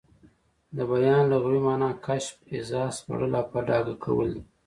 د بیان لغوي مانا کشف، ايضاح، سپړل او په ډاګه کول دي.